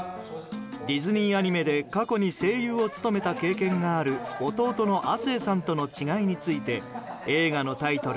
ディズニーアニメで過去に声優を務めた経験がある弟の亜生さんとの違いについて映画のタイトル